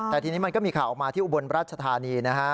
แต่ทีนี้มันก็มีข่าวออกมาที่อุบลรัชธานีนะฮะ